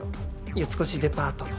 四越デパートの。